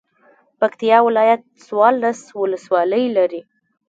پکتيا ولايت څوارلس ولسوالۍ لري.